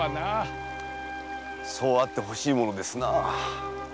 そうあってほしいものですな。